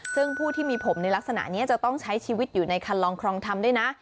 ซึ่งผู้ที่มีผมในลักษณะนี้จะต้องใช้ชีวิตอยู่ในคันลองครองธรรมด้วยนะ